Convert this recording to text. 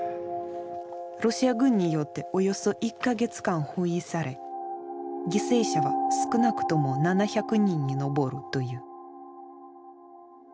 ロシア軍によっておよそ１か月間包囲され犠牲者は少なくとも７００人に上るという。